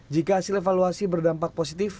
jika hasil evaluasi berdampak positif